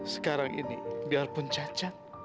sekarang ini biarpun cacat